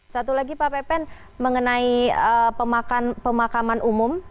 satu lagi pak pepen mengenai pemakaman umum